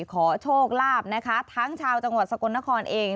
ขอโชคลาภนะคะทั้งชาวจังหวัดสกลนครเอง